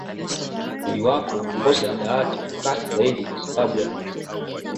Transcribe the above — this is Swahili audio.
Mwili wako unakosa hidarati kwa kasi zaidi kwa sababu ya mwinuko